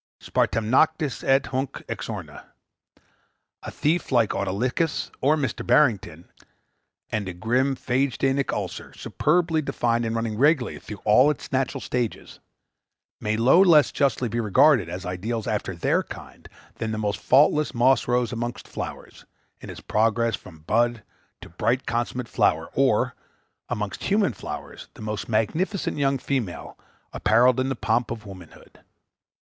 Spartam nactus es, hunc exorna. A thief like Autolycus or Mr. Barrington, and a grim phagedænic ulcer, superbly defined, and running regularly through all its natural stages, may no less justly be regarded as ideals after their kind, than the most faultless moss rose amongst flowers, in its progress from bud to "bright consummate flower;" or, amongst human flowers, the most magnificent young female, apparelled in the pomp of womanhood.